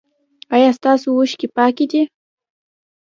ایا ستاسو اوښکې پاکې دي؟